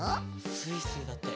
スイスイだって。